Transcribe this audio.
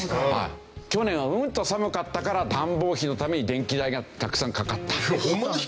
去年はうんと寒かったから暖房費のために電気代がたくさん掛かった。